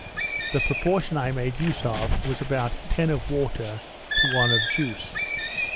The proportion I made use of was about ten of water to one of juice.